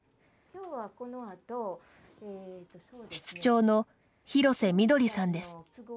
室長の廣瀬みどりさんです。